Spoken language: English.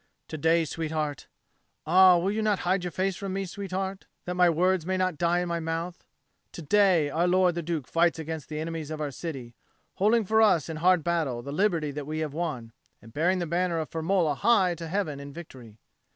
To day, sweetheart ah, will you not hide your face from me, sweetheart, that my words may not die in my mouth? to day our lord the Duke fights against the enemies of our city, holding for us in hard battle the liberty that we have won, and bearing the banner of Firmola high to heaven in victory."